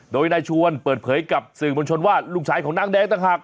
โดยนายชวนเปิดเผยกับสื่อมวลชนว่าลูกชายของนางแดงต่างหาก